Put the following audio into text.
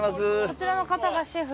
こちらの方がシェフ？